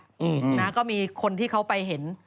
อืมนะก็มีคนที่เขาไปเห็น